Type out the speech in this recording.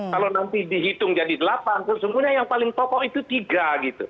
kalau nanti dihitung jadi delapan sesungguhnya yang paling pokok itu tiga gitu